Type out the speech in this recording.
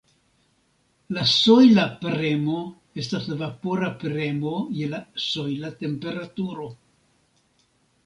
La sojla premo estas la vapora premo je la sojla temperaturo.